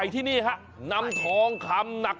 ที่วัดดอนใหญ่